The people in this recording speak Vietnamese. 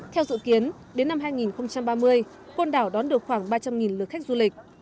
theo dự kiến đến năm hai nghìn ba mươi con đảo đón được khoảng ba trăm linh lượt khách du lịch